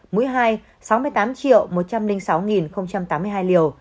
mũi ba là sáu mươi tám một trăm linh sáu tám mươi hai liều